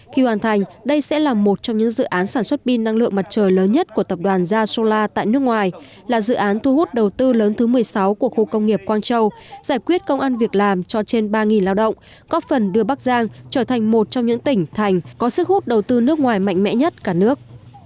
khi hoàn thành đây sẽ là một trong những dự án sản xuất pin năng lượng mặt trời lớn nhất của tập đoàn arla tại nước ngoài là dự án thu hút đầu tư lớn thứ một mươi sáu của khu công nghiệp quang châu giải quyết công an việc làm cho trên ba lao động có phần đưa bắc giang trở thành một trong những tỉnh thành có sức hút đầu tư nước ngoài mạnh mẽ nhất cả nước